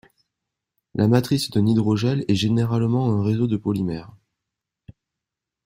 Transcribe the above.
La matrice d'un hydrogel est généralement un réseau de polymères.